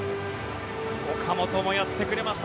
岡本もやってくれました。